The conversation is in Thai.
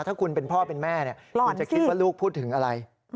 ถ้าคุณเป็นพ่อเป็นแม่คุณจะคิดว่าลูกพูดถึงอะไร